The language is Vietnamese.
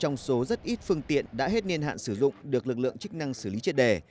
trong số rất ít phương tiện đã hết niên hạn sử dụng được lực lượng chức năng xử lý triệt đề